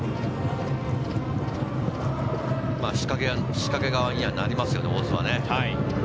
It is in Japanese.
仕掛け側にはなりますよね、大津はね。